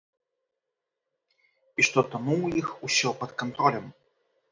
І што таму ў іх усё пад кантролем.